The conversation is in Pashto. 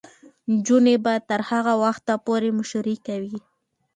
نجونې به تر هغه وخته پورې مشري کوي.